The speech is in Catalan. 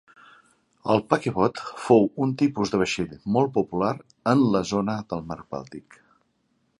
El paquebot fou un tipus de vaixell molt popular en la zona del mar Bàltic.